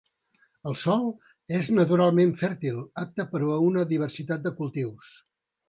El sòl és naturalment fèrtil, apte per a una diversitat de cultius.